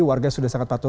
warga sudah sangat patuh